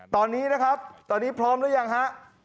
ตอนนี้นะครับตอนนี้พร้อมหรือยังฮะ